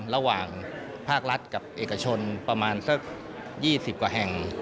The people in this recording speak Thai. ระหว่างภาครัฐกับเอกชนประมาณสัก๒๐กว่าแห่ง